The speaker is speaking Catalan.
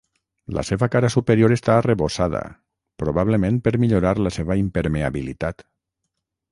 La seva cara superior està arrebossada, probablement per millorar la seva impermeabilitat.